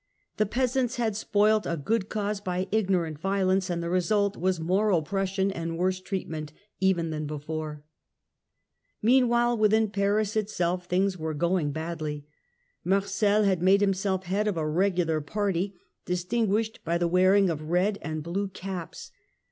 The peasants had spoilt a good cause by ignorant violence, and the result was more oppression and worse treatment even than before. Murder of Meanwhile, within Paris itself things were going silais ^^' badly. Marcel had made himself head of a regular party, distinguished by the wearing of red and blue caps.